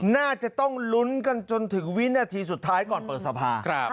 น่าจะต้องลุ้นกันจนถึงวินาทีสุดท้ายก่อนเปิดสภา